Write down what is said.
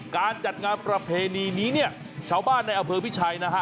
การจัดงานประเพณีนี้เนี่ยชาวบ้านในอำเภอพิชัยนะฮะ